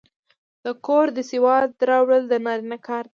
د کور د سودا راوړل د نارینه کار دی.